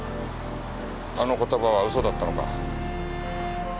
あの言葉は嘘だったのか？